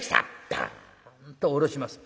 ドンと下ろします。